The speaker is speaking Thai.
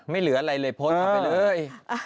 ไม่เหลืออะไรเลยพลส์เอาไปเลย